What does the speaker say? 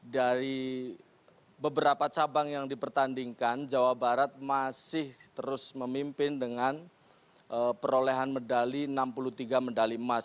dari beberapa cabang yang dipertandingkan jawa barat masih terus memimpin dengan perolehan medali enam puluh tiga medali emas